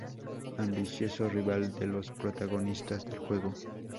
Ambicioso rival de los protagonistas del juego.